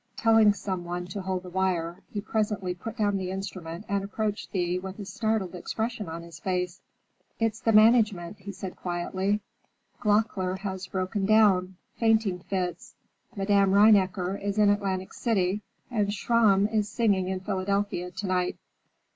Telling some one to hold the wire, he presently put down the instrument and approached Thea with a startled expression on his face. "It's the management," he said quietly. "Gloeckler has broken down: fainting fits. Madame Rheinecker is in Atlantic City and Schramm is singing in Philadelphia tonight.